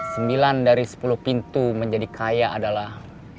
sembilan dari sepuluh pintu menjadi kaya adalah